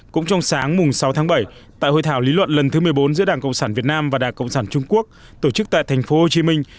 cũng trong sáng sáu tháng bảy tại hội thảo lý luận lần thứ một mươi bốn giữa đảng cộng sản việt nam và đảng cộng sản trung quốc tổ chức tại thành phố hồ chí minh